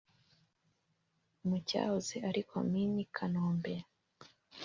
mu cyahoze ari komini Kanombe